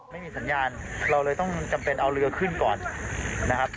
ไม่มีสัญญาณเราเลยต้องจำเป็นเอาเรือขึ้นก่อนนะครับ